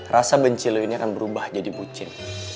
rasa benci leu ini akan berubah jadi bucin